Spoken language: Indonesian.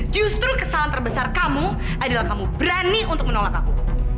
justru kesalahan terbesar kamu adalah kamu berani untuk menolak aku